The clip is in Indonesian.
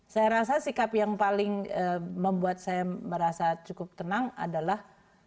saya rasa sikap yang paling membuat saya merasa cukup tenang adalah